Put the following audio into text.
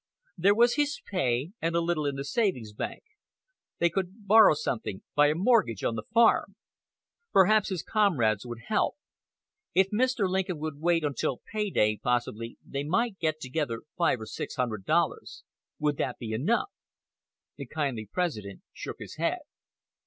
There was his pay, and a little in the savings bank. They could borrow something by a mortgage on the farm. Perhaps his comrades would help. If Mr. Lincoln would wait until pay day possibly they might get together five or six hundred dollars. Would that be enough? The kindly President shook his head.